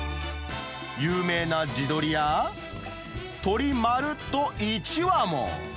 有名な地鶏や、鶏まるっと１羽も。